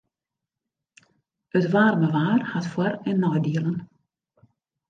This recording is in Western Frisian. It waarme waar hat foar- en neidielen.